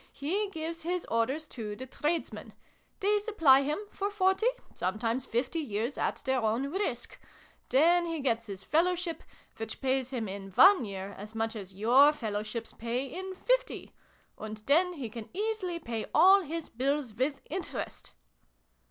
He gives his orders to the tradesmen : they supply him, for forty, some times fifty, years, at their own risk : then he gets his Fellowship which pays him in one year as much as your Fellowships pay in fifty and then he can easily pay all his bills, with interest."